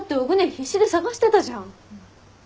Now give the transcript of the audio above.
必死で捜してたじゃん。